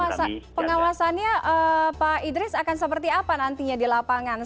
nah pengawasannya pak idris akan seperti apa nantinya di lapangan